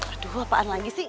aduh apaan lagi sih